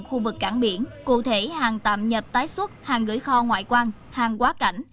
khu vực cảng biển cụ thể hàng tạm nhập tái xuất hàng gửi kho ngoại quan hàng quá cảnh